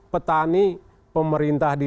petani pemerintah di